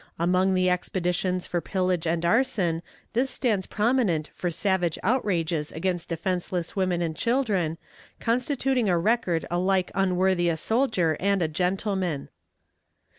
Among the expeditions for pillage and arson this stands prominent for savage outrages against defenseless women and children, constituting a record alike unworthy a soldier and a gentleman.